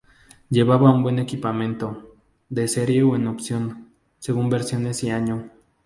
Llevaba un buen equipamiento, de serie o en opción, según versiones y año.